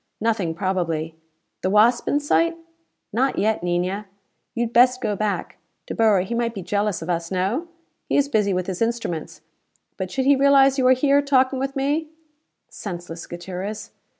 Nothing, probably." "The Wasp in sight?" "Not yet, Niña. You had best go back: De Boer, he might be jealous of us, no? He is busy with his instruments, but should he realize you are here, talking with me " "Senseless, Gutierrez!"